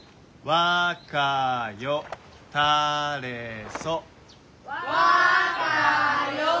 「わかよたれそ」。